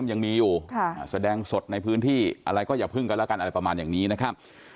อันนี้ส่วนตัวหวันนะ